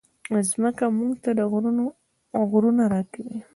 مځکه موږ ته غرونه راکوي.